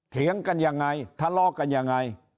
เถียงกันยังไงทะเลาะกันยังไง